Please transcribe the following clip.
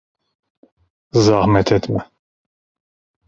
Zahmet etme.